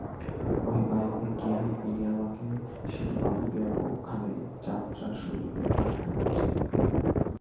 ও বাড়িতে গিয়াই তিনি আমাকে সিধুবাবুদের ওখানে যাত্রা শুনিতে পাঠাইয়াছিলেন।